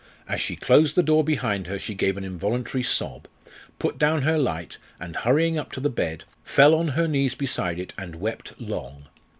As she closed the door behind her she gave an involuntary sob, put down her light, and hurrying up to the bed, fell on her knees beside it and wept long.